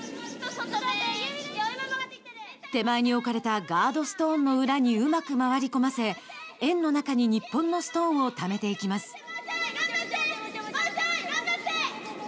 手前に置かれたガードストーンの裏にうまく回り込ませ円の中に日本のストーンをためていきます。